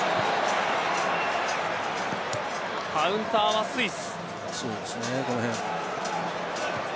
カウンターはスイス。